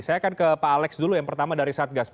saya akan ke pak alex dulu yang pertama dari satgas